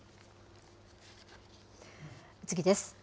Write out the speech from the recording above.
次です。